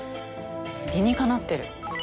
理にかなってる。